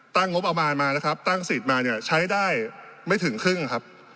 งบประมาณมานะครับตั้งสิทธิ์มาเนี่ยใช้ได้ไม่ถึงครึ่งครับ